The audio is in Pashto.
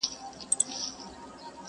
چاته که سکاره یمه اېرې یمه.